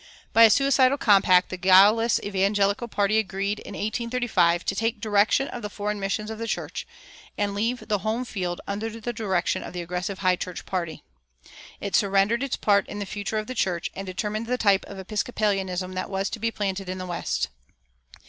By a suicidal compact the guileless Evangelical party agreed, in 1835, to take direction of the foreign missions of the church, and leave the home field under the direction of the aggressive High church party. It surrendered its part in the future of the church, and determined the type of Episcopalianism that was to be planted in the West.